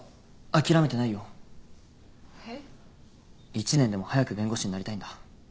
１年でも早く弁護士になりたいんだ。